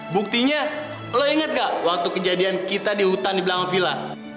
buktinya lo inget gak waktu kejadian kita di hutan di belakang villa